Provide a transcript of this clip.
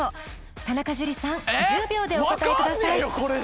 田中樹さん１０秒でお答えください